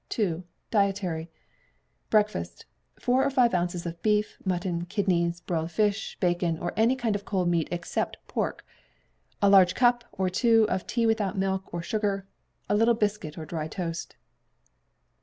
ii. Dietary. Breakfast. Four or five ounces of beef, mutton, kidneys, broiled fish, bacon, or any kind of cold meat except pork, a large cup (or two) of tea without milk or sugar, a little biscuit or dry toast.